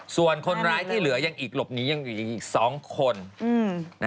ส่วนคนร้ายที่เหลือยังอีกหลบหนียังอยู่อีก๒คน